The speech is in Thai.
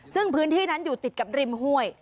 ซึ่งพื้นที่นั้นอยู่ติดกับริมห้วย